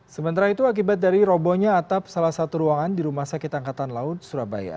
sementara itu akibat dari robohnya atap salah satu ruangan di rumah sakit angkatan laut surabaya